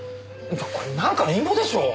これなんかの陰謀でしょう！？